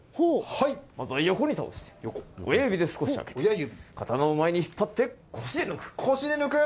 まずは横に倒して親指で少し開けて刀を前に引っ張って腰で抜く。